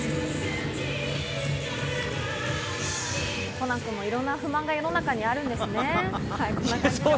コナン君もいろんな不満が世の中にあるんですね。